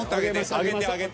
上げて上げて。